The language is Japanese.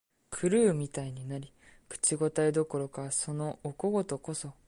狂うみたいになり、口応えどころか、そのお小言こそ、